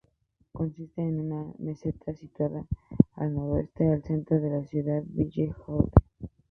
Consiste en una meseta situada al noreste del centro de la ciudad, Ville Haute.